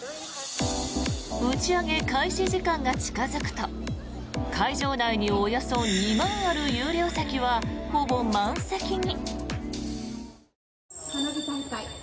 打ち上げ開始時間が近付くと会場内におよそ２万ある有料席はほぼ満席に。